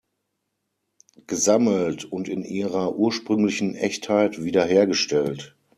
Gesammelt und in ihrer ursprünglichen Echtheit wiederhergestellt.